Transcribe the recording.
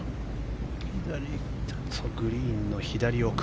グリーンの左奥。